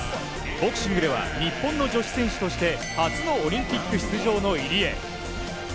ボクシングでは日本の女子選手として初のオリンピック出場の入江。